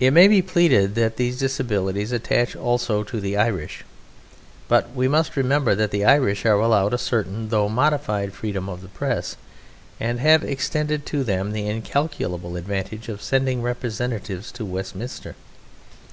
It may be pleaded that these disabilities attach also to the Irish, but we must remember that the Irish are allowed a certain though modified freedom of the Press, and have extended to them the incalculable advantage of sending representatives to Westminster.